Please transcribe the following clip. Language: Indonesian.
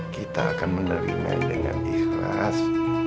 kita akan menerima dengan ikhlas